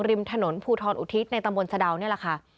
ริมถนนภูทรอุทิศในตำบลสะดาวนี่แหละค่ะ